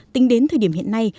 tính đến thời điểm hiện nay